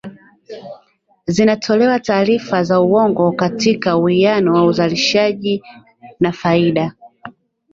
zinatolewa taarifa za uongo katika uwiano wa uzalishaji na faida